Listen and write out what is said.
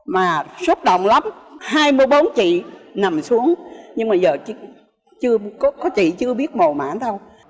mà xúc động lắm hai mươi bốn chị nằm xuống nhưng mà giờ chưa có chị chưa biết màu mãn đâu